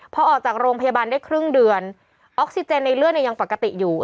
พอออกจากโรงพยาบาลได้ครึ่งเดือนออกซิเจนในเลือดยังปกติอยู่